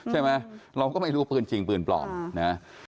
ใช่ไหมเราก็ไม่รู้ว่าปืนจริงปืนปลอมนะ